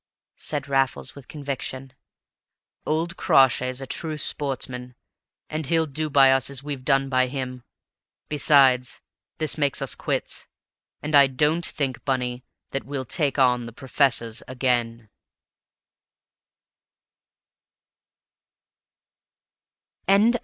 said Raffles with conviction. "Old Crawshay's a true sportsman, and he'll do by us as we've done by him; besides, this makes us quits; and I don't think, Bunny, that we'll take on the professors again!"